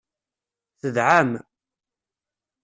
Tedɛam.